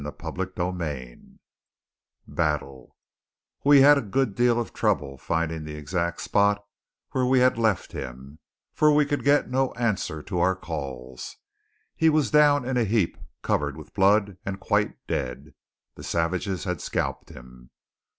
CHAPTER XXV BATTLE We had a good deal of trouble finding the exact spot where we had left him, for we could get no answer to our calls. He was down in a heap, covered with blood, and quite dead. The savages had scalped him.